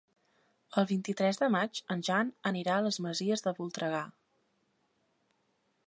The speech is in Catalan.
El vint-i-tres de maig en Jan anirà a les Masies de Voltregà.